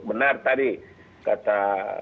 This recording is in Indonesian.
benar tadi kata